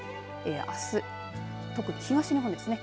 あす特に東日本ですね。